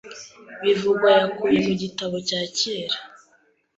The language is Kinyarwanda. bivugwa yakuye mu gitabo cya kera